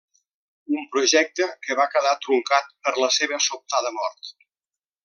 Un projecte que va quedar truncat per la seva sobtada mort.